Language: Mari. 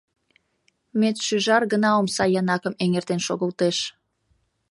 Медшӱжар гына омса янакым эҥертен шогылтеш.